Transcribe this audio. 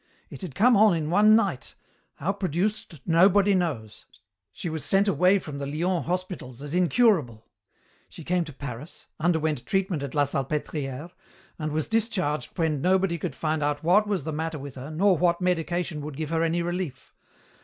It had come on in one night, how produced nobody knows. She was sent away from the Lyons hospitals as incurable. She came to Paris, underwent treatment at La Salpêtrière, and was discharged when nobody could find out what was the matter with her nor what medication would give her any relief.